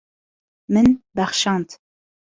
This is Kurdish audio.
Min bexşand.